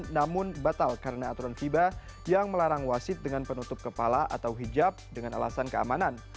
namun batal karena aturan fiba yang melarang wasit dengan penutup kepala atau hijab dengan alasan keamanan